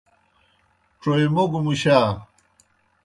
ڇوئےموگوْ مُشا۔